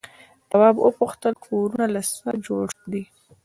تواب وپوښتل کورونه له څه جوړ دي؟